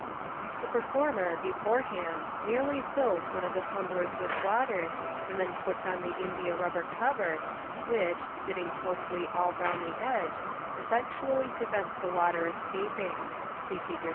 The performer, beforehand, nearly fills one ot the tumblers with water, and then puts on the india rubber cover, which, fitting closely alJ round the edge, effectually prevents the water escaping (see Fig.